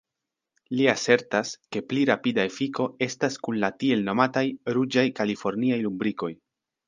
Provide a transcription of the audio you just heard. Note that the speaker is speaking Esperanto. Li asertas, ke pli rapida efiko estas kun la tiel nomataj ruĝaj kaliforniaj lumbrikoj.